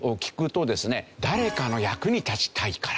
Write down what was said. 誰かの役に立ちたいから。